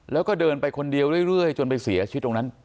แล้วก็เดินไปคนเดียวเรื่อยจนไปเสียชีวิตตรงนั้น